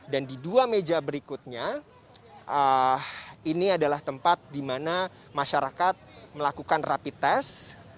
dan di dua meja berikutnya ini adalah tempat di mana masyarakat melakukan rapi tes